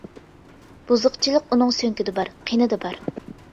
بۇزۇقچىلىق ئۇنىڭ سۆڭىكىدە بار، قىنىدا بار.